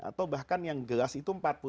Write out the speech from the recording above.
atau bahkan yang gelas itu empat puluh